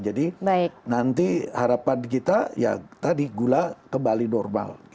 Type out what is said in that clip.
jadi nanti harapan kita ya tadi gula kembali normal